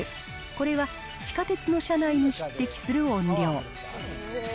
これは地下鉄の車内に匹敵する音量。